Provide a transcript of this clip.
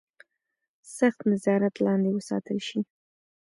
سخت نظارت لاندې وساتل شي.